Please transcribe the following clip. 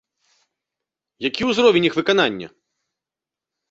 Які ўзровень іх выканання?